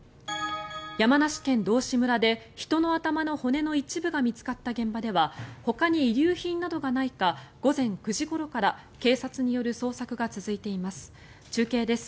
山梨県道志村で人の頭の骨の一部が見つかった現場ではほかに遺留品などがないか午前９時ごろから警察による捜索が続いています。